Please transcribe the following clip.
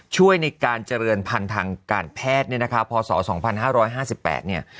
ช่วยในการเจริญพันธังการแพทย์เนี้ยนะคะพศสองพันห้าร้อยห้าสิบแปดเนี้ย